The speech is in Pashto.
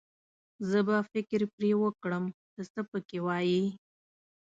زه به فکر پرې وکړم، ته څه پکې وايې.